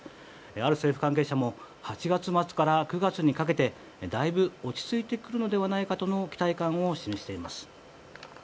ある政府関係者も８月末から９月にかけてだいぶ落ち着いてくるのではないかとの期待感を示しています。